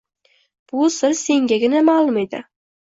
Bu sir sengagina ma`lum edi